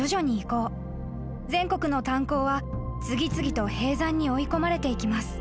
［全国の炭鉱は次々と閉山に追い込まれていきます］